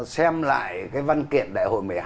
xem lại cái văn kiện đại hội một mươi hai